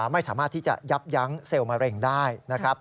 ไม่สามารถที่จะยับยั้งเซลล์มะเร็งได้นะครับ